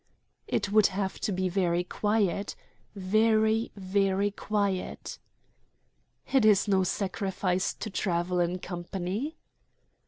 "It would have to be very quiet very, very quiet." "It is no sacrifice to travel in company."